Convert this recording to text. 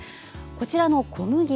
こちらの小麦。